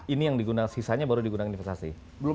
ini yang digunakan sisanya baru digunakan investasi